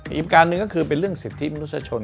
อีกการหนึ่งก็คือเป็นเรื่องสิทธิมนุษยชน